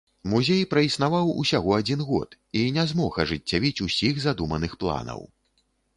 Музей праіснаваў усяго адзін год і не змог ажыццявіць ўсіх задуманых планаў.